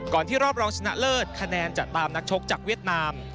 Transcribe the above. ที่รอบรองชนะเลิศคะแนนจะตามนักชกจากเวียดนาม